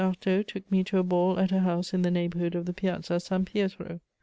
Artaud took me to a ball at a house in the neighbourhood of the Piazza San Pietro.